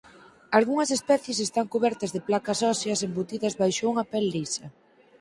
Algunhas especies están cubertas de placas óseas embutidas baixo unha pel lisa.